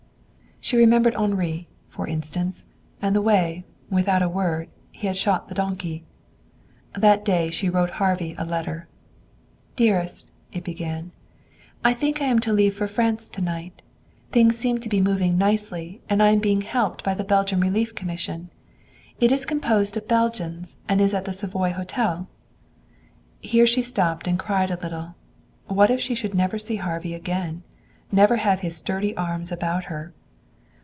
She remembered Henri, for instance, and the way, without a word, he had shot the donkey. That day she wrote Harvey a letter. "Dearest:" it began; "I think I am to leave for France to night. Things seem to be moving nicely, and I am being helped by the Belgian Relief Commission. It is composed of Belgians and is at the Savoy Hotel." Here she stopped and cried a little. What if she should never see Harvey again never have his sturdy arms about her?